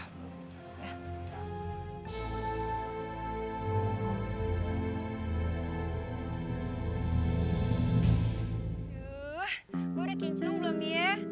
aduh gue udah kincung belum ya